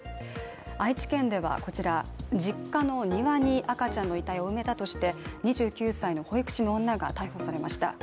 愛知県ではこちら、実家の庭に赤ちゃんの遺体を埋めたとして２９歳の保育士の女が逮捕されました。